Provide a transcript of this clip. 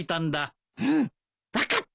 うん！分かった。